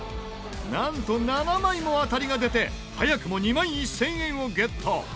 なんと７枚も当たりが出て早くも２万１０００円をゲット。